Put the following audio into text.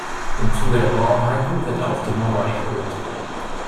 Im Zuge der Bauarbeiten wird auch die Mauer erhöht.